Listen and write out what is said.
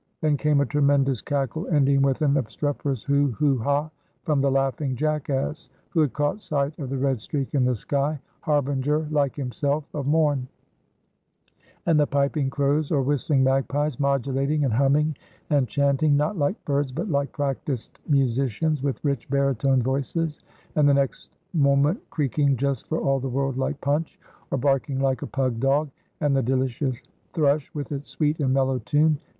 Then came a tremendous cackle ending with an obstreperous hoo! hoo! ha! from the laughing jackass, who had caught sight of the red streak in the sky harbinger, like himself, of morn; and the piping crows or whistling magpies modulating and humming and chanting, not like birds, but like practiced musicians with rich baritone voices, and the next moment creaking just for all the world like Punch, or barking like a pug dog. And the delicious thrush with its sweet and mellow tune.